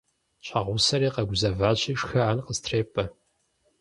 Щхьэгъусэри къэгузэващи шхыӀэн къыстрепӀэ.